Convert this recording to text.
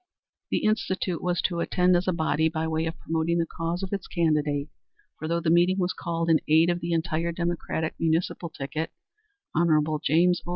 The Institute was to attend as a body by way of promoting the cause of its candidate, for though the meeting was called in aid of the entire Democratic municipal ticket, Hon. James O.